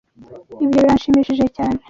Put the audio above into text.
Ibyo biranshimishije cyane.